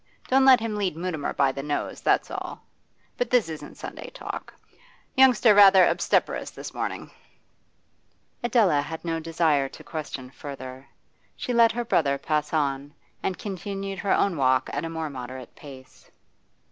Don't let him lead Mutimer by the nose, that's all. But this isn't Sunday talk. Youngster rather obstreperous this morning.' Adela had no desire to question further: she let her brother pass on, and continued her own walk at a more moderate pace.